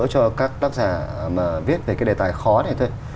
cho các tác giả mà viết về cái đề tài khó này thôi